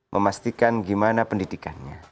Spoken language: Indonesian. memastikan gimana pendidikannya